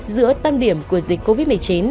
giữa tâm điểm của dịch covid một mươi chín